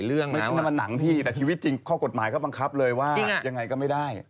และบอกว่าเด็กเขาสมยอม